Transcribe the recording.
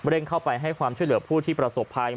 เข้าไปให้ความช่วยเหลือผู้ที่ประสบภัย